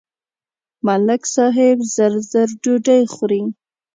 ملک صاحب زر زر ډوډۍ خوري.